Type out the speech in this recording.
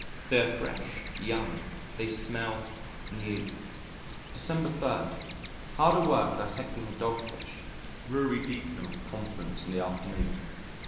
They are fresh, young, they smell new. December 3. Hard at work dissecting a Dogfish. Ruridecanal Conference in the afternoon.